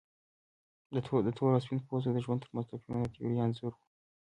د تور او سپین پوستو د ژوند ترمنځ توپیرونه د تیورۍ انځور و.